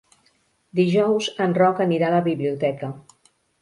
Dijous en Roc anirà a la biblioteca.